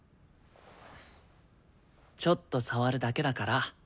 ちょっと触るだけだから。